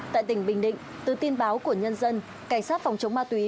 tại tỉnh bình định từ tin báo của nhân dân cảnh sát phòng chống ma túy